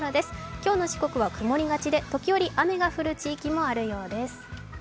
今日の四国は曇りがちで時折、雨が降る地域もあるようです。